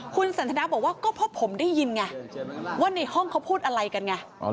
คุณสันทนาบอกว่าก็เพราะผมได้ยินไงว่าในห้องเขาพูดอะไรกันไง